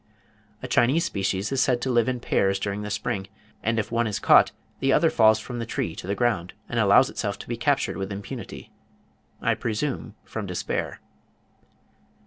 A Chinese species is said to live in pairs during the spring; "and if one is caught, the other falls from the tree to the ground, and allows itself to be captured with impunity"—I presume from despair.